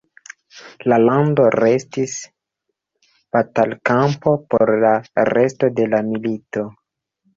La lando restis batalkampo por la resto de la milito.